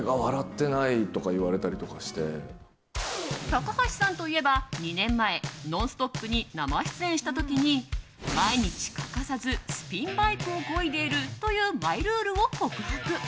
高橋さんといえば、２年前「ノンストップ！」に生出演した時に毎日欠かさずスピンバイクをこいでいるというマイルールを告白。